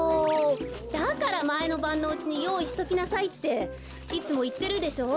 だからまえのばんのうちによういしときなさいっていつもいってるでしょう？